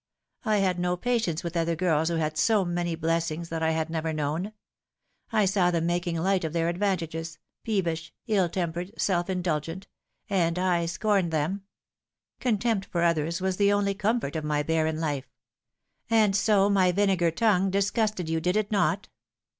I had no patience with other girls who had so many blessings that I had never known. I saw them making light of their advantages, peevish, ill tempered, self indulgent ; and I scorned them. Contempt for others was the only comfort of my barren life. And so my vinegar tongue disgusted you, did it not